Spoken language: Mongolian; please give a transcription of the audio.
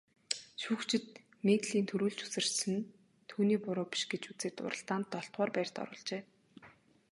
Шүүгчид Мигелийн түрүүлж үсэрсэн нь түүний буруу биш гэж үзээд уралдаанд долдугаарт байрт оруулжээ.